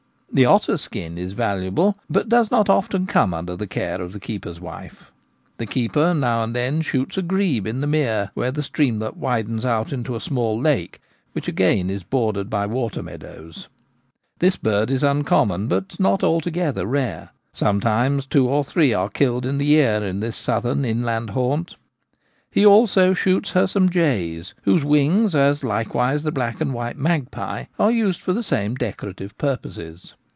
The otter skin is valuable, but does not often come under the care of the keeper's wife. The keeper now and then shoots a grebe in the mere where the streamlet widens out into a small lake, which again is bordered by water meadows. This bird is uncommon, but not altogether rare ; some times two or three are killed in the year in this Feathers. 27 southern inland haunt. He also shoots her some jays, whose wings — as likewise the black and white magpie — are used for the same decorative purposes.